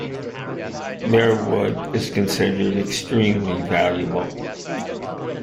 Their wood is considered extremely valuable.